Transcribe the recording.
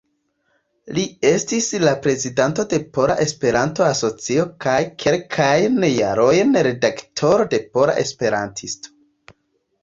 Li estis la prezidanto de Pola Esperanto-Asocio kaj kelkajn jarojn redaktoro de Pola Esperantisto.